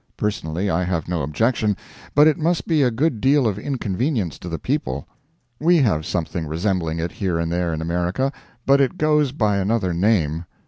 Personally, I have no objection, but it must be a good deal of inconvenience to the people. We have something resembling it here and there in America, but it goes by another name.